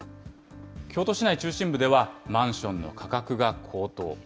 京都市内中心部では、マンションの価格が高騰。